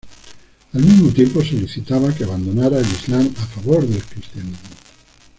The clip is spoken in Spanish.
Al mismo tiempo solicitaba que abandonara el Islam a favor del cristianismo.